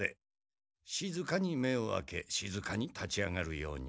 しずかに目を開けしずかに立ち上がるように。